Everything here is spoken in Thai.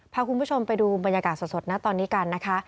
พาคุณผู้ชมไปดูบรรยากาศสดนะตอนนี้กันนะคะ